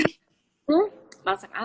huh masak apa